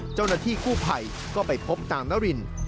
เจ้าหน้าที่กู้ภัยก็ไปพบนางนาริน